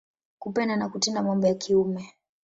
Kupenda na kutenda mambo ya kiume.